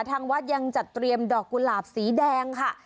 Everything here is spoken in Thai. ทางวัดยังจัดเตรียมดอกกุหลาบสีแดงค่ะ